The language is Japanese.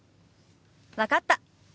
分かった。